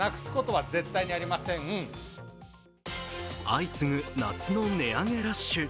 相次ぐ夏の値上げラッシュ。